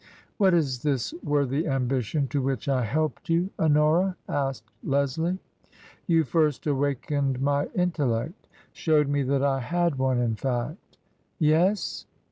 " What is this worthy ambition to which I helped you, Honora ?" asked Leslie. " You first awakened my intellect — showed me that I had one, in fact." " Yes